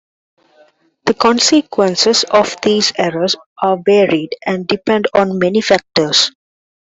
The consequences of these errors are varied and depend on many factors.